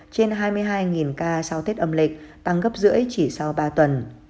trên hai mươi hai ca sau tết âm lịch tăng gấp rưỡi chỉ sau ba tuần